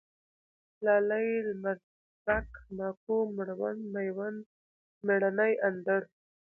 لالی ، لمرڅرک ، ماکو ، مړوند ، مېوند ، مېړنی، اندړ